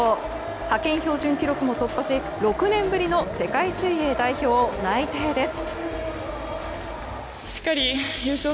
派遣標準記録も突破し６年ぶりの世界水泳代表内定です。